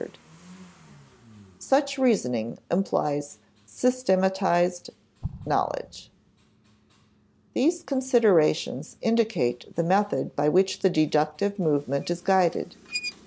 [Sidenote: Such reasoning implies systematized knowledge,] These considerations indicate the method by which the deductive movement is guided.